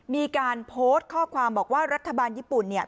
มีการโพสต์ข้อความบอกว่ารัฐบาลญี่ปุ่นเนี่ย